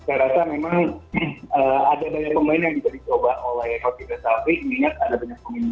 ingat ada banyak pemain muda yang bisa dicoba di pertama kali